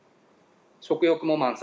食欲も満載。